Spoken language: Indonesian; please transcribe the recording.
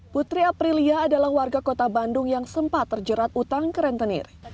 putri aprilia adalah warga kota bandung yang sempat terjerat utang ke rentenir